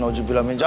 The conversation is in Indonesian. aku bilang aja